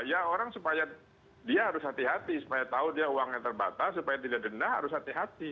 ya orang supaya dia harus hati hati supaya tahu dia uangnya terbatas supaya tidak denda harus hati hati